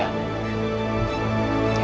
aku takut banget